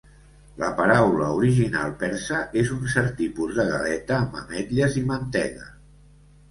La paraula original persa és un cert tipus de galeta amb ametlles i mantega.